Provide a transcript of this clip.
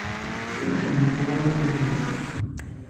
Ur d-ufiɣ ara irkasen-iw.